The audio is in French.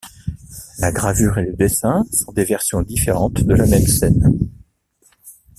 La gravure et le dessin sont des versions différentes de la même scène.